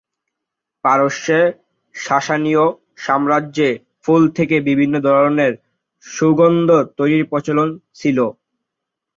পারস্যের সাসানীয় সাম্রাজ্যে ফুল থেকে বিভিন্ন ধরনের সুগন্ধ তৈরীর প্রচলন ছিল।